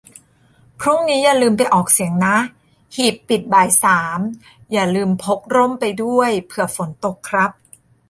พรุ่งนี้อย่าลืมไปออกเสียงนะ ; หีบปิดบ่ายสาม อย่าลืมพกร่มไปด้วย เผื่อฝนตกครับ